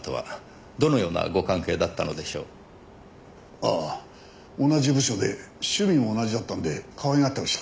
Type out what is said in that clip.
ああ同じ部署で趣味も同じだったんでかわいがってました。